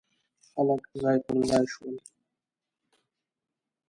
خلک ځای پر ځای شول.